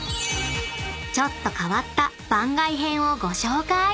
［ちょっと変わった番外編をご紹介！］